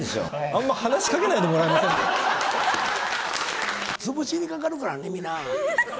あんま話しかけないでもらえ潰しにかかるからね、皆。